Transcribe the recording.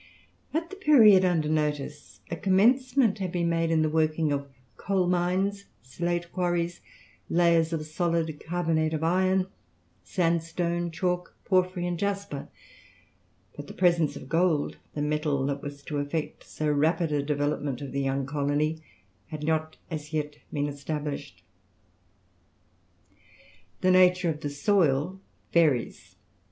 At the period under notice a commencement had been made in the working of coal mines, slate quarries, layers of solid carbonate of iron, sandstone, chalk, porphyry and jasper; but the presence of gold, the metal that was to effect so rapid a development of the young colony, had not as yet been established. The nature of the soil varies.